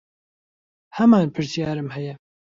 هەمان پرسیارم هەیە.